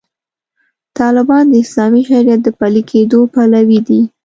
طالبان د اسلامي شریعت د پلي کېدو پلوي دي.